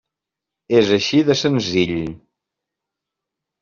És així de senzill.